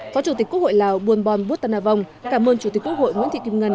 phó chủ tịch quốc hội lào buôn bon bút tân a vong cảm ơn chủ tịch quốc hội nguyễn thị kim ngân